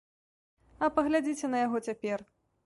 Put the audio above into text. А паглядзіце на яго цяпер?